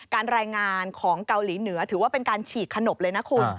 การรายงานของเกาหลีเหนือถือว่าเป็นการฉีกขนบเลยนะคุณ